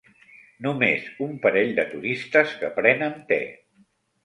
Només un parell de turistes que prenen te.